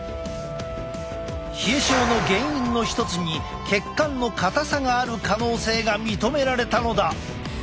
冷え症の原因の一つに血管の硬さがある可能性が認められたのだ！